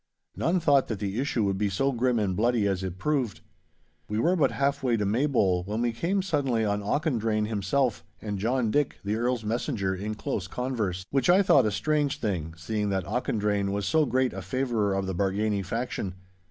None thought that the issue would be so grim and bloody as it proved. We were but half way to Maybole when we came suddenly on Auchendrayne himself and John Dick, the Earl's messenger, in close converse—which I thought a strange thing, seeing that Auchendrayne was so great a favourer of the Bargany faction.